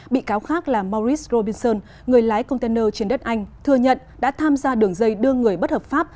bị cáo khác là maurice robinson người lái container trên đất anh thừa nhận đã tham gia đường dây đưa người bất hợp pháp